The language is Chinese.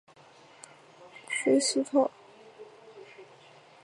菲斯特是位于美国亚利桑那州阿帕契县的一个非建制地区。